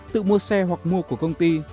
tự mua xe hoặc mua của công ty